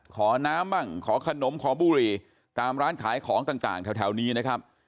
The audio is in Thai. ขอน้ำบ้างขอขนมขอบุหรี่ตามร้านขายของต่างแถวนี้นะครับ